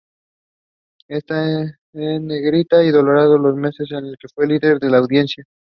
Están en negrita y dorado los meses en que fue líder de audiencia.